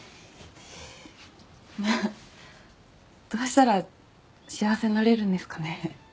どうしたら幸せになれるんですかね？